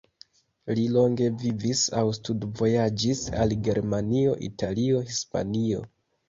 Li longe vivis aŭ studvojaĝis al Germanio, Italio, Hispanio.